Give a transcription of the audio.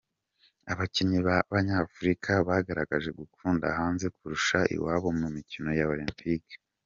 Abakinnyi b’Abanyafurika bagaragaje gukunda hanze kurusha iwabo Mumikino Ya Olempike